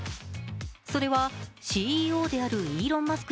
それはＣＥＯであるイーロン・マスク